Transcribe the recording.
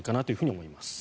思いますね。